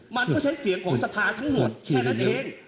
มันก็ใช้เสียงของสภาทั้งหมดแค่นั้นเอง